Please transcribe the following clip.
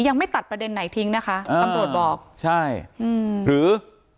ยังไม่ตัดประเด็นไหนทิ้งนะคะอ่าตำรวจบอกใช่อืมหรือ